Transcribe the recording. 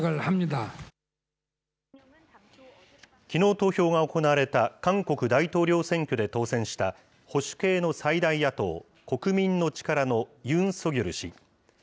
きのう投票が行われた韓国大統領選挙で当選した、保守系の最大野党・国民の力のユン・ソギョル氏。